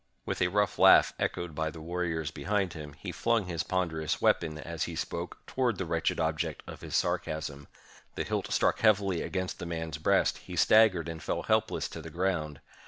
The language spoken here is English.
With a rough laugh, echoed by the warriors behind him, he flung his ponderous weapon, as he spoke, toward the wretched object of his sarcasm. The hilt struck heavily against the man's breast — he staggered and fell helpless to the ground.